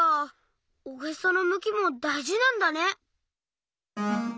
おへそのむきもだいじなんだね。